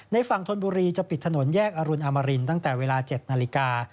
ฝั่งธนบุรีจะปิดถนนแยกอรุณอมรินตั้งแต่เวลา๗นาฬิกา